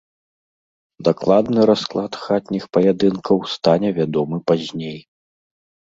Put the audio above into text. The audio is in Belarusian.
Дакладны расклад хатніх паядынкаў стане вядомы пазней.